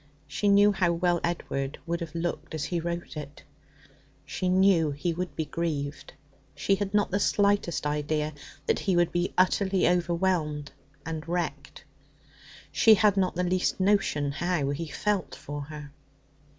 She knew how well Edward would have looked as he wrote it. She knew he would be grieved. She had not the slightest idea that he would be utterly overwhelmed and wrecked. She had not the least notion how he felt for her.